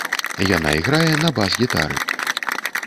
Яна іграе на бас-гітары.